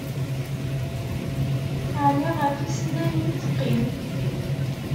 Ɛni, ɣef yisennanen i teqqim?